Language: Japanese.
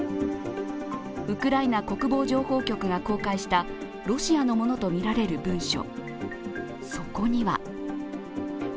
ウクライナ国防情報局が公開したロシアのものとみられる文書。